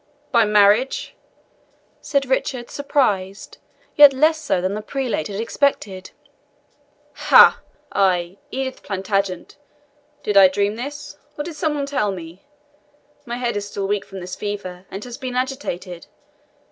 "By marriage!" said Richard, surprised, yet less so than the prelate had expected. "Ha! ay Edith Plantagenet. Did I dream this? or did some one tell me? My head is still weak from this fever, and has been agitated.